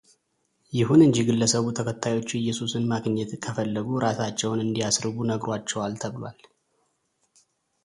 ይሁን እንጂ ግለሰቡ ተከታዮቹ እየሱሰን ማግኘት ከፈለጉ እራሳቸውን እንዲያስርቡ ነግሯቸዋል ተብሏል።